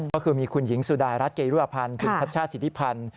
ก็คือมีคุณหญิงสุดารัฐเกรุพันธ์คุณชัชชาติสิทธิพันธ์